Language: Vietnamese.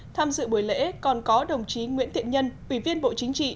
tham dự buổi lễ còn có đồng chí nguyễn thiện nhân ủy viên bộ chính trị